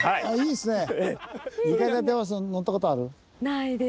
あいいですね！